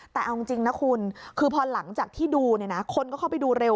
แต่เอาจริงนะคุณคือพอหลังจากที่ดูเนี่ยนะคนก็เข้าไปดูเร็ว